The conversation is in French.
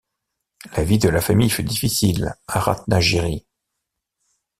La vie de la famille fut difficile à Ratnagiri.